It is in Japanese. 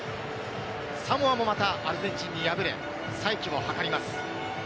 サモアもまたアルゼンチンに敗れ、再起を図ります。